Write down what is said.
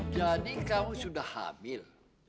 jadi kamu sudah hamil